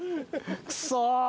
クソ。